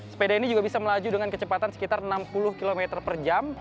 sepeda ini juga bisa melaju dengan kecepatan sekitar enam puluh km per jam